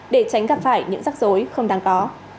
để tránh gặp phải những rắc rối không đáng có